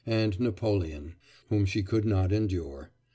and Napoleon, whom she could not endure.